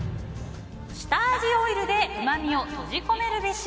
下味オイルでうまみをとじ込めるべし。